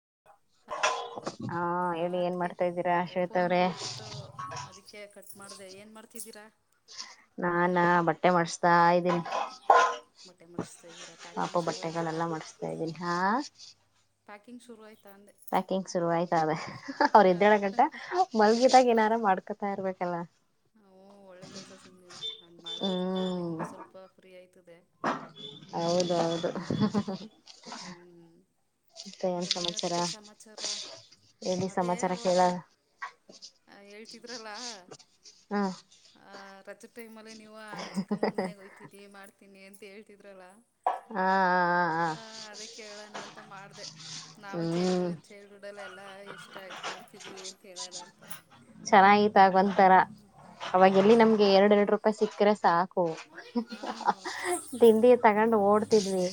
[inaudible] ಹೇಳಿ ಏನ್ ಅದ್ಕ ಮಾಡ್ತಾ ಇದ್ದೀರಾ ಶ್ವೇತ ಫೋನ್ ಅವ್ರೆ ಬಂದ್ಬಿಟ್ಟಿತ್ತು ಅದಕ್ಕೆ ಕಟ್ ಮಾಡ್ದ ಏನ್ ಮಾಡ್ತಿದ್ದೀರಾ ನಾನ ಬಟ್ಟೆ ಮಾಡಸ್ತಾ ಇದ್ದೀನಿ ಬಟ್ಟೆ ಮಡಚ್ತಾ ಇದ್ದೀರಾ ಪಾಪ ಪ್ಯಾಕಿಂಗ್ ಶುರು ಆಯಿತಾ ಬಟ್ಟೆಗಳೆಲ್ಲ ಮಾಡಸ್ತಾ ಇದ್ದೀನಿ ಹಾ [inaudible] ಪ್ಯಾಕಿಂಗ್ ಶುರು ಆಯ್ತಾವೆ ಅವ್ ಇದ್ದೇಳ ಗಂಟ ಮಲ್ಗಿದಾಗ ಏನಾರ ಮಾಡ್ಕೊತಾ ಇರ್ಬೇಕಲ್ಲ ಹ ಒಳ್ಳೆ ಕೆಲ್ಸ ಸುಮ್ಮೀರಿ ಹಂಗ್ ಮಾಡೋದ್ರಿಂದ ನಿಮ್ಗೂ ಸ್ವಲ್ಪ ಫ್ರೀ ಆಯ್ತದ ಹೌದ ಹೌದು ನೇನದಕ ಸಮಾಚಾರ ಲ್ಲಿ ಸಮಾಚಾರ ಕೇಳ ಹ ಹೇಳ್ತಿದ್ರಲ್ಲಾ ಹಾ ರಜ ಟೈಮ್ಲ್ಲಿ ನೀವು ಆ ಚಿಕ್ಕಮ್ಮನ ಮನೆಗೆ ವೈತೀನಿ ಮಾಡ್ತೀನಿ ಅಂತ ಹೇಳ್ತಿದ ಬೆಗಳ [inaudible] ಹ ಅದೇ ಕೇಳೋಣ ಅಂತ ಮಾಡ್ದ ನಾವು ಚೇಳ ಹ್ಮ್ ಚೇಳ ಹಡಲ್ಲ ಎಲ್ಲಾ ಇಷ್ಟ ಆಗ್ಬು ಮಾಡ್ತಿದ್ವಿ ಅಂತ ಹೇಳೋಣ ಅಂತ ಚೆನ್ನಾಗಿತ್ ಆಗ ಒಂತರ ಅವಾಗ ಎಲ್ಲಿ ಹಾಂ ನಮ್ಗೆ ಎರಡ್ ಎರಡು ರೂಪಾಯಿ ಸಿಕ್ಕ್ರೆ ಸಾಕ ಹಾಂ ತಿಂಡಿಯ ತಗೊಂಡ್ ಓಡ್ತಿದ್ವಿ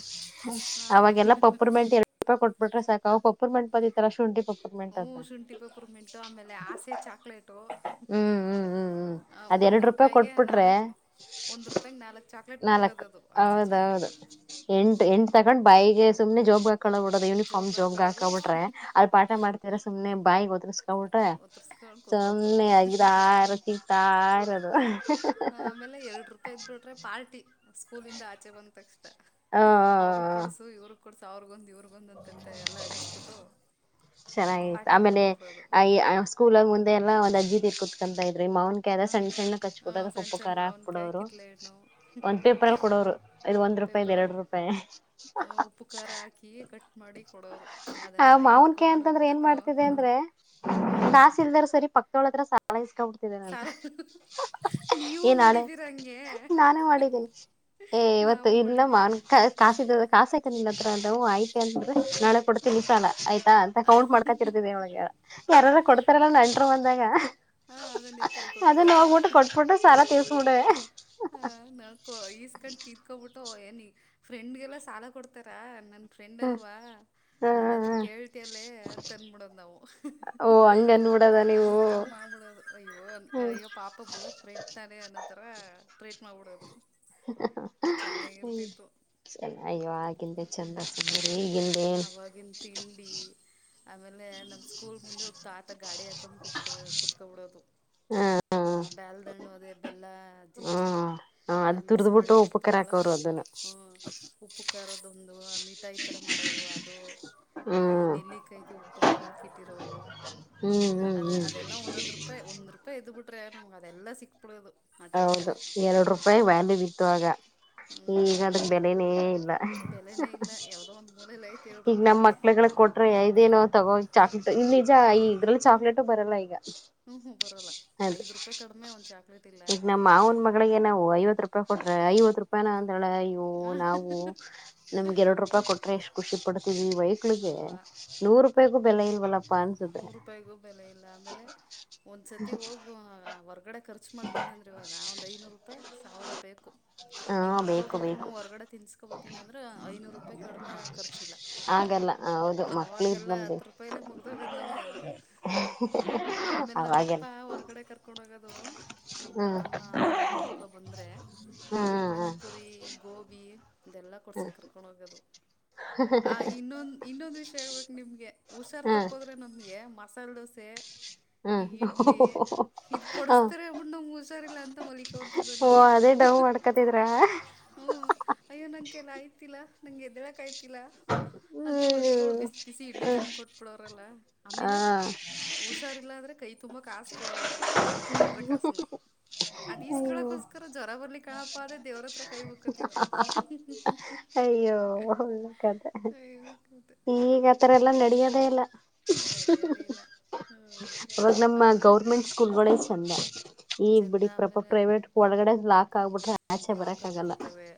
ಹಾಂ ಅವಾಗೆಲ್ಲ ಪಪ್ಪುರ್ ಮೆಟ್ ಎರಡು ರೂಪಾಯಿ ಕೊಟ್ ಬಿರ ಸಾಕ ಅವ ಪುರ್ಣಟ್ ಬತಿತರ ಶುಂಠಿ ಪಪ್ಪರ್ ಹ ಮೆಂಟ್ ಅಂತ ಶುಂಠಿ ಪೇಪರ ಮೆಂಟು ಆಮೇಲೆ ಆಸೆ ಚಾಕ್ಲೇಟು ಹ್ಮ್ ಹ್ಮ್ ಹ್ಮ್ ಹ್ಮ್ ಅದ್ ಒಂದ್ ಎರಡ್ ರೂಪಾಯಿ ರೂಪಾಯಿಗೆ ಕೊಟ್ಬಿಟ್ರೆ ನಾಲ್ಕ್ ಒಂದು ರೂಪಾಯಿಗೆ ನಾಲ್ಕ ಚಾಕ್ಲೇಟ್ ಬರೋದ ಅದು ಆಸೆ ಹೌದು ಚಾಕ್ಲೇಟು ಹ್ಞೂ ಎಂಟು ಎಂಟ್ ತಕೊಂಡ್ ಬೈಗೆ ಸುಮ್ನೆ ಜಾಬ್ ಹಾಕೊಬ ಬಿಡದು ಯೂನಿಫಾರ್ಮ್ ಜೋಬ್ಗೆ ಜಾಬ್ಗೆ ಹಾಕ್ಕೊಳ್ಳೋದು ಹಾಕಬ ಬಿಟ್ರೆ ಅ ಪಾಠ ಮಾಡ್ತರ ಸುಮ್ನೆ ಬಾಯಿ ಗೋದ ಹೌಟ್ರ ಒತ್ತರಿಸ್ಕೊಂಡು ಸುಮ್ಮನೆ ಆಗಿರ ಕುತ್ಕೊಬಿಡೋದು ಆರ ಸಿತ ಆರದು ಆಮೇಲೆ ಎರಡ್ ರೂಪಾಯಿ ಇದ್ ಬಿಟ್ರೆ ಪಾರ್ಟಿ ಸ್ಕೂಲಂದ ಆಚೆ ಬಂದ ತಕ್ಷಣ ಹ ಕೊಡ್ಸ ಅವ್ರಗೊಂದು ಇವ್ರಗೊಂದ ಅಂತಂತೆ ಎಲ್ಲಾ ಹಂಚ್ಬಿಟ್ಟು ಚೆನ್ನಾಗಿತ್ತು ಪಾರ್ಟಿ ಆಮೇಲೆ ಮಾಡ್ಕೊಬಿಡೋದು ಆ ಸ್ಕೂಲಗ ಮುಂದೆ ಎಲ್ಲಾ ಒಂದು ಅಜ್ಜಿ ತ ಕುೂತ್ಕೊಂತ ಮಾವನ್ ಕದ ಹಾಂ ಸಣ್ಣ ಸಣ್ಣ ಹಾಂ ಕಚ್ಕಟ್ಟದ ಸಣ್ಣ ಉಪ್ಪ ಸಣ್ಣ ಖ ಹಾಕ್ ಮಾವಿನಕಾಯಿ ಕೊಡೋ್ರು ಕಿತ್ಲೆ ಹಣ್ಣು ಒಂದ್ ಪೇಪರ್ ಅಲ್ಲಿ ಕೊಡೋರು ಇದು ಒಂದ್ ರೂಪಾಯಿ ಎರಡು ಪೇಪರಲ್ಲಿ ರೂಪಾಯಿ ಉಪ್ಪು ಖಾರ ಹಾಕಿ ಕಟ್ ಮಾಡಿ ಕೊಡೋರು ಆ ಅದನ್ನು ಮಾವನ್ ಕೆ ಹಿಂಡ್ಕೊಂಡು ಅಂತಂದ್ರೆ ಏನ್ ಉದ್ದಕ್ಕೂ ಮಾಡ್ತಿದೆ ಅಂದ್ರೆ ಹಾಂ ಕಾಸ ಇಲ್ದಾರ ಸರಿ ಪಕ್ತಳತ್ರ ಸೆಲ್ ಯಿಸ್ಕೊಂಡ ಸಲ್ ನೀವು ಏನ್ ನಾಳೆ ಮಾಡಿದ್ದೀರ ಹಂಗೆ ನಾನೇ ಮಾಡಿದ್ದೀನಿ ಏ ಇವತ್ತು ನಾವು ಇಲ್ಲಮ್ಮ ಮಾಡಿದ್ದೀವಿ ಕಾಸ ಕಾ ಆಕತ್ರ ಅ ಆಯ್ತ [inaudible] ಹಾಂ ನಾಳೆ ಕೊಡ್ತೀನಿ ಸಲ ಆಯತಾ ಕೌಂಟ್ ಮಾಡ್ಕಾತಿರ್ತಿದವಿ ಒಳಗ ಯಾರಾರ ಕೊಡ್ತಾರಲ್ಲ ನೆಂಟ್ರು ಬಂದಾಗ ಹಾಂ ಅದನ್ನ ಎತ್ತಲ್ಲಿ ಅದನ್ನ ಕೊಟ್ಬಿಡೋದು ಹೋಗ್ಬಿಟ್ಟು ಕೊಟ್ಬಿಟ್ರೆ ಸಾಲ ತಿರ್ಸ್ಬಿಡವೆ ಹ ನಾ ಈಸ್ಕಂಡ್ ತೀರ್ಕೊಬಿಟ್ಟ ಫ್ರೆಂಡ್ಗೆಲ್ಲ ಸಾಲ ಕೊಡ್ತಾರಾ ನನ್ ಫ್ರೆಂಡ್ ಹ್ಮ ಅಲ್ವಾ ನನ್ ಹತ್ರ ಹ ಕೇಳ್ತ ಅಲ್ಲೇ ಅಂತಂತಂದಬಿಡದ ನಾವು ಓ ಹಂಗ ಅನ್ಬಿಡದ ನೀವು ಹಂಗ ಹಂಗ ಮಾ ಬಿಡೋದು ಅಯ್ಯೋ ಹ್ಮ ಅಯ್ಯೋ ಪಾಪ ಬಿಡು ಫ್ರೆಂಡ್ ತಾನೇ ಅನ್ನೋ ತರ ಟ್ರೀಟ್ ಮಾಡ್ಬಿಡೋದು [unintelligible] ಅಯವಾಂತ ಚಂದ ಈಗಿಂದೇನ್ ಆವಾಗಿನ ತಿಂಡಿ ಆಮೇಲೆ ನಮ್ ಸ್ಕೂಲ್ ಮುಂದೆ ಹೊತ್ತು ಆತ ಗಾಡಿ ಹಾಕೊಂಡ್ ಕುತ್ಕ ಕುತ್ಕೊಬ ಬಿಡೋದು ಹ ಬೇಲ್ದಂಡು ಅದೇ ಎಲ್ಲ ಜಜ್ಜಿ ಹ್ಮ್ ಹ ಅದು ಮಿಕ್ಸ್ ಮಾಡಿ ತುರ್ದ್ಬಿಟ್ಟು ಉಪಕಾರ ಇಟ್ಟಿರ್ತಾರಲ್ಲ ಹಾಕೋರು ಅದನ್ನು ಹ್ಮ ಉಪ್ಪು ಕರದೊಂದು ಮೀಠಾ ಈ ತರ ಮಾಡ ಅದು ಈ ಹ್ಮ್ ನೆಲ್ಲಿಕಾಯಗೆ ಉಪ್ಪು ಖರ ಹಾಕಿ ಇಟ್ಟಿರೋರು ಹ್ಮ್ ಹ್ಮ್ ಅದು ಹ್ಮ್ ಅದೆಲ್ಲ ಒಂದೊಂದ್ ರೂಪಾಯಿ ಒಂದ್ ರೂಪಾಯಿ ಇದು ಬಿಟ್ರೆ ನಮ್ಗೆ ಅದೆಲ್ಲ ಸಿಕ್ ಬಿಡೋದು ಹೌದು ಎರಡು ರೂಪಾಯಿ ವ್ಯಾಲ್ಯೂ ಇತ್ತು ಆಗ ಹ್ಞೂ ಈಗ ಅದಕ್ ಬೆಲೆನೇ ಇಲ್ಲ ಬೆಲೆನೇ ಇಲ್ಲ ಯಾವುದೋ ಒಂದು ಮೂಲೆಯಲ್ಲಿ ಐತೆ ಎರಡು ಈಗ ರೂಪಾಯಿ ನಮ್ ಮಕ್ಳಗಳ ಕೊಟ್ರೆ ಇದೇನೋ ತಗೋ ಚಾಕ್ಲಟ್ ಇ ನಿಜ ಈ ದ್ರಲ್ಲಿ ಹ್ಞೂ ಚಾಕ್ಲೇಟು ಬರಲ್ಲ ಈಗ ಹ್ಞೂ ಹ್ಞೂ ಬರೋಲ್ಲ ಹೌದು ಐದು ರೂಪಾಯಿ ಕಡಿಮೆ ಒಂದು ಚಾಕ್ಲೇಟ್ ಇಲ್ಲ ಈಗ ನಮ್ಮ ಮಾವನ ಮಗಳಿಗೆ ನಾವು ಐವತ್ ರೂಪಾಯಿ ಕೊಟ್ರೆ ಐವತ್ ರೂಪಾಯನ ಅ ಳ ಇವು ನಾವು ನಮ್ಗೆ ಎರಡು ರೂಪಾಯಿ ಕೊಟ್ರೆ ಎಷ್ಟು ಖುಷಿ ಪಡ್ತೀವಿ ವೈಕ್ಳಿಗೆ ಅಲ್ವಾ ನೂರು ರೂಪಾಯಿಗೂ ಬೆ ಇಲ್ವಲ್ಲ ನೂರು ರೂಪಾಯಿಗೂ ಬೆಲೆ ಇಲ್ಲ ಆಮೇಲೆ ಒಂದ್ಸತಿ ಹೋಗುವ ಹೊರ್ಗಡೆ ಖರ್ಚ ಖಚ್ ಮಾಡ್ತಿದೆ ಅಂದ್ರೆವಾಗಂದ್ ಐನೂರು ರೂಪಾಯಿ ಸಾವಿರ ಬೇಕು ಹಾ ಈ ಮಕ್ಳು ಬೇಕು ಕರ್ಕೊಂಡು ಬೇಕು ಹೊರ್ಗಡೆ ತಿನ್ಸ್ಕೊಬತನ ಅಂದ್ರ ಐನೂರು ರೂಪಾಯಿ ಕಡಿಮೆ ಖರ್ಚಿಲ್ಲ ಆಗಲ್ಲ ಹೌದು ಮಕ್ಳ ಇದ ಬಲ್ ಹೋಗೋದ್ ನಮ್ದಲ್ಲ ಆಮೇಲೆ ನಮ್ಮ ಅಪ್ಪ ಅವಾಗೆಲ್ಲ ಹೊರ್ಗಡೆ ಕರ್ಕೊಂಡ್ ಹೋಗದು ನಮ್ಮ ಹ್ಮ್ ದಡಮ್ಮ ದಡಮ್ಮನ ಮಕ್ಳು ಬಂದ್ರೆ ಹ್ಮ್ ಪಾನಿಪುರಿ ಗೋಬಿ ಇದೆಲ್ಲ ಕೊಡ್ಸಕ್ ಕರ್ಕೊಂಡ ಹೋಗೋದು ಆ ಇನ್ನೊಂದ್ ಇನ್ನೊಂದು ವಿಷ ಹೇಳ್ಬೇಕು ನಿಮ್ಗೆ ಹುಷಾರ್ ಹ್ಮ್ ತಪ್ಪೋದ್ರೆ ನಮ್ಗೆ ಮಸಾಲೆ ದೋಸೆ ಈ ಹ್ಮ್ ಇಡ್ಲಿ ಇದ್ ಹ್ಮ್ ಕೊಡಸ್ತಾರಟ್ ನಮ್ ಹುಷಾರಿಲ್ಲ ಅಂತ ಮಲಿಕ ಹೊಡ್ತಿದ್ ನಾ ಡವ ಮಾಡ್ಕತಿದ್ರ ಹ್ಮ್ ಅಯ್ಯೋ ನಂಕಲ್ಲ ಆಯ್ತಿಲ್ಲಾ ನಂಗೆ ಎದ್ದಳಕಯ್ತಿಲ್ಲ ಅಂತ ಮಲಿಕ ಅವಳು ಹ್ಮ್ ಬಿಸಿ ಬಿಸಿ ಇಡ್ಲಿ ತಂದ ಕೊಟ್ಬಿಡ ಹ ಆಮೇಲೆ ಹುಷಾರಲ್ಲ ಅಂದ್ರ ಕೈ ತುಂಬಾ ಕಾಸ ಕೊಡೋರು ತಿಂಡ್ರ ಕಾಸನ ಅದ್ ಅಯ್ಯೋ ಈಸ್ಕಳಕೋಸ್ಕರ ಜ್ವರ ಬರ್ಲಿ ಕಳಪ ಅ ದೇವ್ರತ್ರ ಕೈ ಮುಕತ್ತಿದ ಅಯ್ಯೋ ಒಳ್ಳೆ ಕಥೆ ಅಯ್ಯೋ ಗೊತ್ತೆ. ಈಗ ಆತರ ಎಲ್ಲಾ ನಡಿಯೋದೇ ಇಲ್ಲ ನಡೆಯದೇ ಇಲ್ಲ ಹೋಗ್ ಅವವಾಗ ನಮ್ಮ ಆಮೇಲೆ ಗೌರ್ಮೆಂಟ್ ಸ್ಕೂಲ್ ಗಳೇ ಚೆಂದ ಈ ಚೆಂದ ಬಿಡಿ ಪ್ರಪಾ ಆಮೇಲೆ ಪ್ರೈವೇಟ್ ಒಳಗಡೆ ಲಾಕ್ ಆಗ್ಬಿಟ್ರೆ ಆಚೆ ಲಾಕ್ ಬರಕ್ ಆಗಲ್ಲ ಆಗಿಬಿಡ್ತವೆ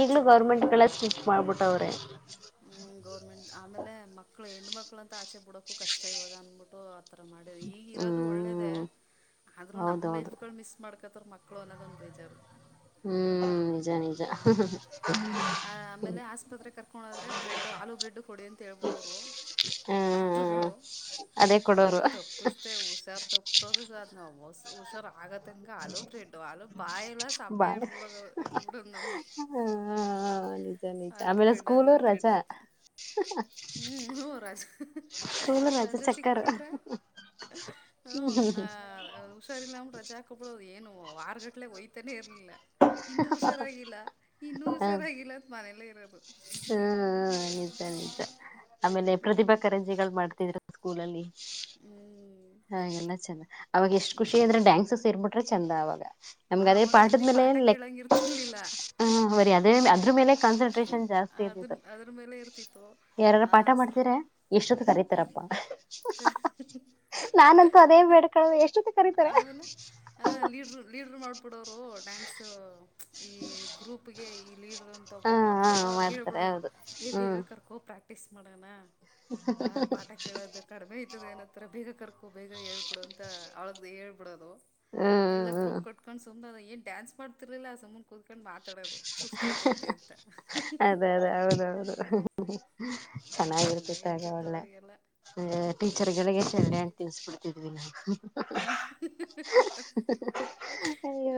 ಆಚೆ ಈಗ್ಲೂ ಗೌರ್ಮೆಂಟ್ ಗಳಲ್ಲ ಸ್ಟ್ರಿಕ್ ಮಾಡ್ಬಿಟ್ಟವ್ರೆ ಹ್ಮ್ ಗೌರ್ಮೆಂಟ್ ಆಮೇಲೆ ಮಕ್ಳು ಹೆಣ ಮಕ್ಳ ಅಂತ ಆಚೆ ಬಿಡಕೂ ಕಷ್ಟ ಇವಾಗ ಅನ್ಬಿಟ್ಟು ಮಾಡ ಈಗ ಇರೋದು ಒಳ್ಳೇದ ಹ್ಮ್ ಆದ್ರೂ ನಮ್ ಹೌದೌದು ಲೈಫ್ ಗಳು ಮಿಸ್ ಮಾಡ್ ಇತ್ತರ ಮಕ್ಕಳು ಅನ್ನದೊಂದುಂತಜಾರು ಹ್ಮ್ ನಿಜ ನಿಜ ಆ ಆಮೇಲೆ ಆಸ್ಪತ್ರೆಗೆ ಕರ್ಕೊಂಡದ್ರೆ ಬ್ರೆಡ್ ಆಲೂ ಬ್ರೆಡ್ ಕೊಡಿ ಅಂತ ಹೇಳ್ಬಿಡೋರು ಹ ಡಾಕ್ಟರ್ಗಳು ಅದೇ ನ ಕೊಡೋರು ಅಪ್ಪ ತಪ್ಪಿಸ್ ಹುಷಾರು ತಪ್ಪತದ ಅ ನಾವು ಹೊಸ ಹುಷರ್ ಆಗತ್ತ ಮಂಗ ಅಲ ಬೆಡ್ ಅಲೋ ಬಾಯ ಎಲ್ಲ ಸಪ್ಪಾ ಬಾಯ್ ಇಡು ಬಿಡ ಇಡುದು ಬಿಡಂದಮ ಹಾ ನಿಜ ನಿಜ ಆಮೇಲೆ ಸ್ಕೂಲರ್ ಬ್ರೆಡ್ ರಜಾ ಅಂತ ಹ್ಞೂ ಹ್ಞೂ ರಜೆ ಕೂಲ ರಜೆ ಚಕ್ಕರ್ ಹ್ಮ ಆ ಹುಷಾರಿಲ್ಲ ರಜೆ ಹಕಬಳೋದು ಏನು ವಾರಗಂಟ್ಲೆ ಹೊಯ್ತಾನೆ ಇರಲಿಲ್ಲ ಇನ್ನು ಹುಷಾರಾಗಿಲ್ಲ ಇನ್ನು ಹ ರಾಗಿಲ್ಲ ಮನೆಯಲ್ಲ ಇರೋದು ಹಾ ನಿಜ ನಿಜ ಆಮೇಲೆ ಪ್ರತಿಭಾ ಹ್ಞೂ ಕಾರಂಜಿಗಳು ಮಾಡ್ತಿದ್ರ ಸ್ಕೂಲ ಅಲ್ಲಿ ಹಾಗೆಲ್ಲ ಚಂದ ಅವಾಗ ಎಷ್ಟ್ ಖುಷಿ ಚೆನ್ನ ಅಂದ್ರೆ ಡ್ಯಾನ್ಸಸ್ ಇರ್ಬಿಟ್ರೆ ಚಂದ ಅವಾಗ ನಮ್ಗೆ ಅದೇ ಆವಾಗ ಪಾ ಎಲ್ಲಿ ಪಾಠ [unintelligible] ಲೆ ಕೇಳಂಗೆ ಇರ್ತಿರ್ಲಿಲ್ಲ ಹ ಅದೇ ಅದ್ರ ಮೇಲೆ ಕಾನ್ಸಂಟ್ರೇಷನ್ ಜಾಸ್ತಿ ಇರ್ತ್ತು ಅದನ್ನ ಅದ್ರ ಮೇಲೆ ಇರ್ತಿತ್ತು ಯಾರಾರ ಆ ಪಾಠ ಸ್ಕ್ ಮಾಡ್ತರ ಎಷ್ಟೊತ್ತ ಕರೀತಾರಪ್ಪ ನಾನಂತೂ ಅದೇ ಬೇಡ ಕಳ ಎಷ್ಟೊತ್ತತೆ ಕರೀತಾರೆ ಆಹ ಲೀಡ್ರ ಲೀಡರು ಮಾಡ್ಬಿಡೋರು ಡ್ಯಾನ್ಸ್ ಈ ಗ್ರೂಪ್ಗೆ ಲೀಡ್ರ್ ಅಂತ ಹ ಒಬ್ಬ ಮಾಡ್ಬಿಡವರು ಹ ಅವ್ರಗ್ ಮಾಡ್ತಾರೆ ಹೇಳ್ಬಿಡೋದು ಹೌದು ಏ ಬೇಗ ಹ್ಮ್ ಕರ್ಕೋ ಪ್ರಾಕ್ಟೀಸ್ ಮಾಡೋಣ ಹ ಪಾಠ ಕೇಳೋದು ಕಡಿಮೆ ಆಐತದ ಏನತ್ತತ್ರ ಬೇಗ ಕರ್ಕೋ ಬೇಗ ಹೇಳ್ಬಿಡು ಅಂತ ಅವಳಗ್ದ ಹೇಳ್ಬಿಡೋದು ಹ್ಮ್ ಹ್ಮ್ ಹ್ಮ್ ಸು ಅ ನ್ ಡಾನ್ಸ್ ಮಾಡತಿಲಿಲ್ಲ ಆ ಸುಮ್ಮ ಕ ಕುತ್ಕೊಂಡು ಅದೇ ಅದೇ ಅವೌದ ಅವೌದು ಚೆನ್ನಾಗಿರ್ತಿತ್ತು ಒಳ್ಳ ಟೀಚರ್ ಗಳಿಗೆ ಚ ತಿನ್ಸ್ಪಡ್ತಿದ್ದ್ವಿ ನ [unintelligible] ಹಾ ಅಯ್ಯೋ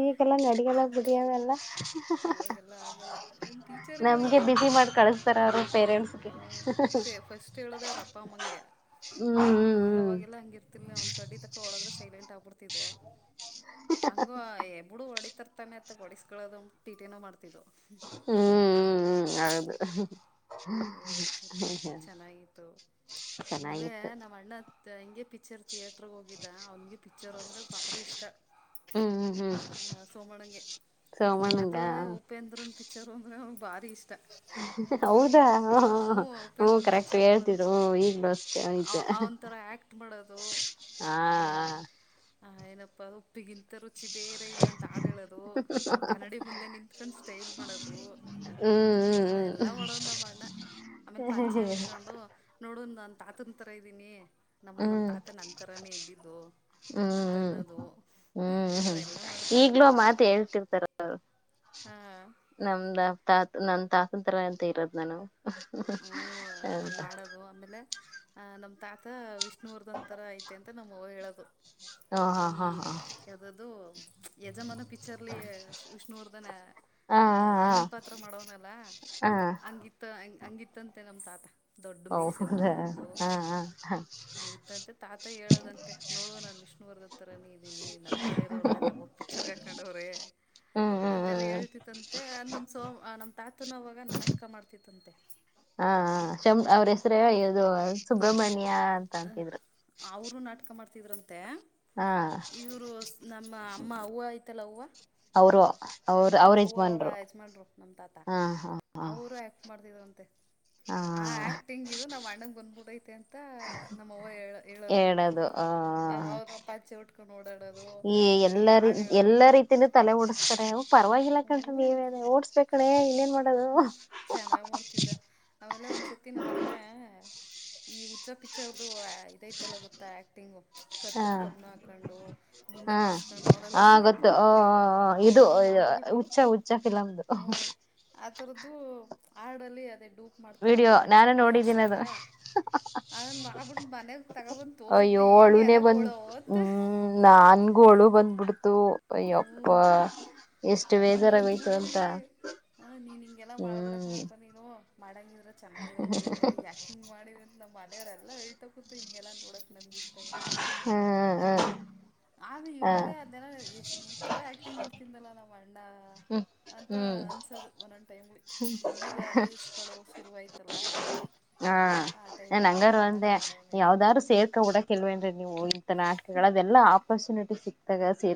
ಈಗೆಲ್ಲ ನಡಿಯದ ಬಿಡಿಯವೆಲ್ಲ ಇವಾಗೆಲ್ಲ ಆಗಲ್ಲ ನ ಟೀಚರ್ಗಳಿಗೆ ನಮ್ಗೆ ಎನ್ ಬಿಸಿ ತ ಮಾಡಿ ಕಳಸ್ತಾರ [unintelligible] ನಮ್ಗ ಅವಾಗಲ್ಲ ಹಂಗಿರ್ತಿಲ್ ನ ಒಂದ್ ಕಡ್ಡಿ ತಕ ಒಳದ್ರೆ ಸೈಲೆಂಟ್ ಆಗ್ಬಿಡ್ ಹಂಗ ಎಬಡು ಹೊಡಿತರ್ತಾನೆ ಅತ್ತ ಹೊಡಿಸಕೊಳ್ಳೋದು ಟೀಟೆನೋ ಮಾಡ್ತ ಹ್ಮ್ ಹ್ಮ್ ಹ್ಮ್ ಹೌದು ಕತ್ತೆ ಚೆನ್ನಾಗಿತ್ತು ಆಮೇಲೆ ಚೆನ್ನಾಗಿತ್ತು ನಮ್ಮ ಅಣ್ಣ ಹೆಂಗೆ ಪಿಕ್ಚರ್ ಥಿಯೇಟ್ರಗೆ ಹೋಗಿದ್ದ ಅವನ್ಗೆ ಪಿಕ್ಚರ್ ಅಂದ್ರೆ ಭಾರಿ ಇಷ್ಟ ಹ್ಮ್ ಹ್ಮ್ ಹ್ಮ್ ಆ ಸೋಮಣಂಗೆ ಸೋಮಣ್ಣಂಗ ಅದು ಉಪೇಂದ್ರನ್ ಪಿಕ್ಚರ್ ಅಂದ್ರೆ ಉದೀಷ್ಟ ಹೌದಾ ಹ ಹ ಹ್ಮ ಕರೆಕ್ಟ್ ಪಿಕ್ಚರ್ಗಳನ್ನು ಹೇಳ್ತಿದ್ರು ಈಗ್ಲ ಅಷ್ಟೆ ಆಯ್ತಾ ಅವನ ಥರ ಆ್ಯಕ್ಟ್ ಮಾಡೋದು ಹಾ ಹಾ ಆ ಏನಪ್ಪ ಅ ಉಪ್ಪಿಗಿಂತರುಚಿ ಹಚ್ಚಿ ಬೇರೆ ಇಲ್ಲ ಅಂತ ಆಡು ಹೇಳೋದು ಕನ್ನಡಿ ಮುಂದೆ ನಿಂತ್ಕೊಂಡು ಸ್ಟಲ್ ಮಾಡೋದು ಹ್ಮ್ ಹ್ಮ್ ಹ್ಮ್ ಎಲ್ಲ ಮಾಡೋನಾ ನಮ್ ಅಣ್ಣ ಆಮೇಲೆ ಪಂಚೆ ಉಟ್ಕೊಂಡು ನೋಡ ನನ್ ತಾತನ್ ತರ ಇದ್ದೀನಿ ನಮ್ ಹ್ಮ್ ನಮ ಹ್ಮ್ ತಾತ ನನ್ ತರಾನೇ ಇದ್ದಿದ್ದು ಹ್ಮ್ ಅಂತ ಹ್ಮ್ ಅನ್ನೋದು ಹ್ಮ್ ಹ್ಮ್ ಅದೆಲ್ಲ ಮಾಡ್ತಿದ್ದ ಈಗ್ಲೂ ನಮ್ಮ ಅಣ್ಣ ಮಾತ ಹೇಳ್ತಿರ್ತಾರ ಅವರು ಹಾಂ ನಮ್ದ ತಾತ್ ನ [unintelligible] ಅಂತ ಇರೋದ್ ನಾನು ಹಂಗ ಅಂತ ಮಾಡೋದು ಆಮೇಲೆ ಅ ನಮ್ಮ ತಾತ ವಿಷ್ಣುವರ್ಧನ್ ತರ ಐತೆ ಅಂತ ನಮ್ ಹೇಳದು ಹಾ ಹಾ ಹಾ ಹಾ ಯಾವುದದು ಯಜಮಾನ ಪಿಕ್ಚರ್ಲಿ ವಿಷ್ಣುವರ್ಧನ್ ಅ ಹಾ ಹಾ ಹಾ ಅಣ್ಣನ್ ಪಾತ್ರ ಮಾಡೋನಲ್ಲಾ ಹಾ ಹಾ ಹಂಗಿತ್ತ ಹಂಗ ಹಂಗಿತ್ತಂತೆ ನಮ ತಾತ ಹೌದಾ ಹಾ ಆಯ್ತಂತೆ ತಾತ ಹೇಳದಂತೆ ನೋಡುವ ನಾನ್ ವಿಷ್ಣುವರ್ದತ್ತರನ ಇದ್ದೀನಿ ನಂತರ ಇರೋರು ತಾಪ ಪಿಚರ್ ಕಖಾಂಡವರೆ ಹ್ಮ್ ಹ್ಮ್ ಅಂತೆಲ್ಲ ಹ್ಮ್ ಹೇಳ್ತತ್ತಂತೆ ಅ ನಮ್ ಸೋಮ ನಮ್ ತಾತನ ಅವಾಗ ನಾಟಕ ಮಾಡ್ತತ್ತಂತೆ ಹಾ ಶ ಅವ್ರ ಹೆಸ್ರೇ ಇದು ಸುಬ್ರಹ್ಮಣ್ಯ ಯಾ ಅಂತ ಅಂತಿದ್ರು ಮತ್ತೆ ಹಾ ಇವರು ನಮ್ಮ ಅಮ್ಮ ಅವ್ವ ಆಯ್ತಲ್ಲ ಅವ್ವ ಅವರು ಅವ್ರ ಹ ಅವ್ರ ಅವರ ಯಜಮಾನ್ರು ಯಜ್ಮಾನ್ರು ನಮ್ ತಾತಾ ಹಾ ಹಾ ಹಾ ಅವರು ಯಾಕ್ಟ್ ಮಾಡ್ತಿದ್ರು ಹಾ ಆ ಆಕ್ಟಿಂಗ್ ಇದು ನಾವ್ ಅಣ್ಣಂಗ ಬಂದ್ಬಿಡೈತೆ ಅಂತ ನಮ್ಮವ ಹೇಳ ಹೇಳೋದು ಹೇಳದು ಆ ಅವರುಪ್ಪ ಅಚ್ಚೆ ಉಟ್ಕೊಂಡು ಓಡಾಡೋದು ಈ ಆಡು ಹೇಳೋದು ತಿನ್ನ ತಲೆ ಓಡಿಸಸ್ತಾರೆ ಪರವಾಗಿಲ್ಲ ಕಣ್ರೀ ನೀವೇ ಓಡ್ಸ್ಕಣೇ ಹ್ಮ ಚೆನ್ನಾಗ್ ಮಾಡ್ತಿದ್ದ ಆಮೇಲೆ ಒಂದ್ಸತಿ ನಮ್ಮ ಅಣ್ಣ ಈ ಹುಚ್ಚ ಪಿಚ್ಚರ್ ಇದತೆಲ್ಲ ಗೊತ್ತಾ ಆಕ್ಟಿಂಗ್ ಕತ್ತ ಹಾ ಕಬ್ಬಣ ಹಾಕೊಂಡು ಬುಂಡೆ ಮಾಡಡ್ಸ್ಕೊಂಡು ಅವಲ್ಲ ಆ ಗೊತ್ತು ಇದು ಮಾಡಿಬಿಟ್ಟು ಹುಚ್ಚ ಹುಚ್ಚಫಿಲಮ್ದು ಆಥರದ್ದು ಆಡಲ್ಲಿ ಅದೇ ಡೂ ವಿಡಿಯೋ ಮಾಡ್ತಾರಲ್ಲಾ ನಾನು ರೀಲ್ಸ್ ನೋಡಿದ್ದೀನಿ ತರ ಅದು ಅದನ್ ಮಾಡಬಿಟ್ಟ ಮನೆಗೆ ತಗೋಬಂದ್ ತೋರ್ಸಿದ್ವಿ ಹಳುನೇ ಬಂದ ಹ್ಮ್ ನನ್ಗೂ ಹಳು ಬಂದ್ಬಿಡ್ತು ಹ್ಞೂ ಎಪ್ಪಾ ಎಲ್ಲ ಹತ್ ಬಿಟ್ಟಿದ್ದೀವಿ ಹ ನೀನ್ ಹಿಂಗೆಲ್ಲ ಮಾಡಬೇಡ ಹ್ಮ್ ಕಣಪ್ಪ ನೀನು ಮಾಡಂಗಿಲ್ಲ ಚೆನ್ನಾಗಿರೋ ವೀಡಿಯೋ ಮಾಡೋ ಯಾಕಿಂಗ್ ಮಾಡಿ ನಮ್ಮ ಮನೆಯವ್ರ ಎಲ್ಲ ಹೇಳ್ತ ಕುತ್ ಹಿಂಗೆಲ್ಲ ನೋಡಕ್ ನಮ್ಗೆ ಇಷ್ಟ ಇಲ್ಲ ಹ್ಮ್ ಹ್ಮ್ ಹೂ ಆಗ ಇವಾಗ ಅದೆಲ್ಲ್ ಈಥರ ಆಕ್ಟಿಂಗ್ ಮಾಡ್ತಿದ್ದಲ್ಲ ನಾವು ಅಣ್ಣ ಹ್ಮ್ ಅಂತ ಹ್ಮ್ ಅನ್ಸದು ಒಂದೊಂದ ಟೈಮ್ ಲಿ. ಈಗ ರೀಲ್ಸ್ ಗಳು ಶುರುವಾಯ್ತಲ್ಲ- ಹಾ, ಆ ಟೈಮಲ್ಲಿ ಅಂಗಾರ ನಮ್ಮ ಅಣ್ಣನೂ ಒಂದೆ ಮಾಡೋನೆ ಯಾವ್ದಾರು ಸೇರ್ಕ ಕೂಡ ಕೆಲ್ವೇನ್ರಿ. ನೀವು ಇಂತ ನಾಟಕಗಳಲ್ಲಿ ಆಪರ್ಚುನಿಟಿ ಸಿಕ್ತಾಗ ಸೇ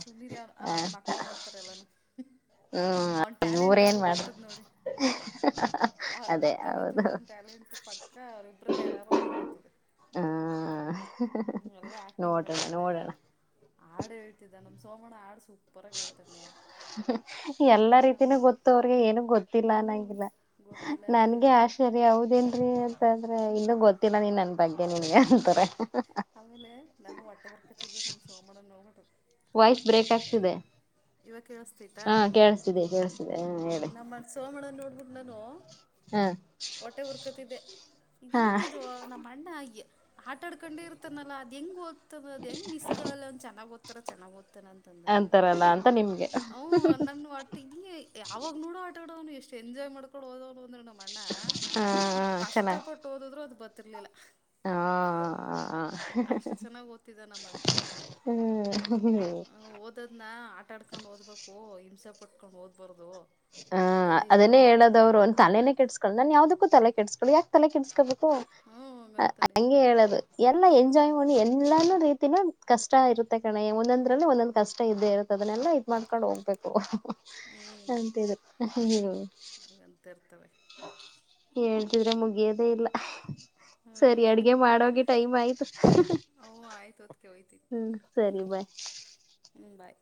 ಸುಮ್ನೀರೆ ಅವ ಅವನ್ ಮಕ್ಳು ಮಾಡ್ತಾರೆ ಎಲ್ಲಾನು. ಅವನ್ ಹ್ಮ್ ಟ್ಯಾಲೆಂಟ್ ಇವ್ರೇನ್ ಮಾಡ ಅವರುಗೊತ್ತದ್ ನೋಡಿ. ಹ, ಅದೇ ಪಕ್ಕ ಹೌದು ಬರ್ತದನ್ ಟ್ಯಾಲೆಂಟ್ ಪಕ್ಕ ಅವ ಇಬ್ರಲ್ಲಿ ಯಾರಾರು ಒಬ್ಬ್ರ ಬರ್ತದೆ. ಆ [inaudible] ಹ್ಮ, ಎಲ್ಲಾ ಆಕ್ಟಿಂಗ್ ಮಾಡ್ತಿದ್ದ, ಹಾಡು ಹೇಳ್ತಿದ್ದ ನಮ್ ಸೋಮಣ ಹಾಡು ಸೂಪ್- ಎಲ್ಲಾ ರೀತಿನೂ ಗೊತ್ತು ಅವ್ರಿಗೆ ಏನ್- ಹ್ಞೂ ಗೊತ್ತಿಲ್ಲನಾಗಿಲ್ಲ. ಗೊತ್ತಿಲ್ಲ ನನ್ಗೆ ನನಗೆಲ್ಲ ಆಶ್ಚರ್ಯ ಹೌದೇನ್ರೀ ಅಂತ. ಅಂದ್ರೆ ಇನ್ನು ಗೊತ್ತಿಲ್ಲ ನೀನ್ ನನ್ನ ಬಗ್ಗೆ ನಿನ್ಗೆ. ಅಂತಾರೆ ಆಮೇಲೆ ನಾನು ಹೊಟ್ಟೆ ಉರ್ಕತಿದ್ದೆ ನಮ್ ಸೋಮಣ್ಣನ್ ನೋಬಿಟ್ಟು. ವಾಯ್ಸ್ ಬ್ರೇಕ್ ಆಗ್ತಿದೆ. ಇವಾಗ ಕೇಳಿಸ್ತೈತಾ ಹಾ, ಕೇಳಸ್ತಿದೆ -ಕೇಳಸ್ತಿದೆ ಹಾ ಹೇಳಿ. ಗರನ್ನ ನೋ [unintelligible] ಹ ಹೊಟ್ಟೆ ಹುರ್ಕತಿದೆ. ಹಾ ಇದೇನಿದು ನಮ್ಮ ಅಣ್ಣ ಹಾಗಿ ಆಟ ಆಡ್ಕೊಂಡೆ ಇರ್ತಾನಲ್ಲ ಅದೆಂಗ್ ಓದ್ತದ. ಅದ ಹೆಂಗ್ ಬೆಸ್ಕಳ ಅವನು ಚೆನ್ನಾಗಿ ಹೋದತಾನೆ ಚೆನ್ನಗಿ ಹೋದತಾನೆ. ಅಂತಾರಲ್ಲ ಅಂತ ನಿಮ್ಗೆ ಹ್ಮ್, ನನ್ನ ಆ ಈ ಯಾವಾಗ ನೋಡೋ ಆಟ ಆಡವನು. ಎಷ್ಟು ಎಂಜಾಯ್ ಮಾಡ್ಕೊಂಡು ಓದ ಅಂದ್ರೆ ನಮ್ಮ ಅಣ್ಣ. ನಾವು ಹ ಕಷ್ಟಪಟ್ಟ ಓದಿದ್ರು ಅದು ಬತ್ತ ಬರ್ತಿರಲಿಲ್ಲ [unintelligible] ಹಾ,, ಅಷ್ಟು ಚೆನ್ನಾಗ್ ಓದ್ತಿದ್ದ ನಮ್ಮ ಅಣ್ಣ. ಹ್ಮ್ ಹ, ಓದದ್ನ ಆಟ ಆಡ್ಕೊಂಡ್ ಓದ್ಬೇಕು ಹಿಂಸೆ ಪಟ್ಕೊಂಡ್ ಹೋದಬಾರ್ದು. ಹ, ಅದನ್ನೇ ಹೇಳೋದು ಅವರು ತಲೇನೆ ಕೆಡ್ಸಗೊಳ್ಳಲ್ಲ. ನಾನ್ ಯಾವ್ದಕ್ಕೂ ತಲೆ ಕೆಡ್ಸಗೋಳಲ್ಲ ಯಾಕೆ ತಲೆ ಕೆಟ್ಸ್ಕೋಬೇಕು. ಓ ಹ್ಞೂ [unintelligible] ಹೋ ಹಂಗಂತಾನೆ ಹಂಗೆ ಹೇಳುದು ಎಲ್ಲ- ಹೋ [unintelligible] ಎಲ್ಲಾನು ರೀತಿನ ಕಷ್ಟ ಇರುತ್ತೆ ಕಣೆ. ಒಂದೊಂದ್ರಲ್ಲಿ ಒಂದೊಂದ್ ಕಷ್ಟ ಇದ್ದೇ ಇರುತ್ತೆ ಅದನ್ನೆಲ್ಲಾ- ಅನ ಸರಿಸ್ಕೊಂಡು ಹೋಗ್ಬೇಕು. ಹ್ಮ್, ಅಂತಿದ್ರು ಹೂ [unintelligible] ಹಾಗಂತ ಇರ್ತವೆ [unintelligible] ಹೇಳ್ತಿದ್ರೆ ಮುಗಿಯೋದೇ ಇಲ್ಲ. ಹ್ಞೂ ಸರಿ ಅಡ್ಗೆ ಮಾಡೋಗಿ ಟೈಮ್ ಆಯ್ತು. ಅವು ಆಯ್ತು ಅದಕ್ಕೆ ಹೋಯ್ತೀನಿ ಹ್ಮ್, ಸರಿ ಬಾಯ್ ಹ್ಞೂ ಬಾಯ್